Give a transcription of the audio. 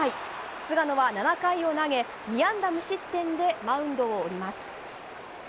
菅野は７回を投げ２安打無失点でマウンドを降ります。